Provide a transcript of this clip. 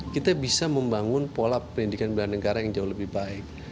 kita bisa membangun pola pendidikan bela negara yang jauh lebih baik